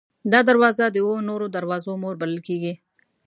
دا دروازه د اوو نورو دروازو مور بلل کېږي.